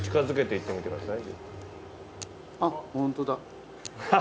あっホントだ。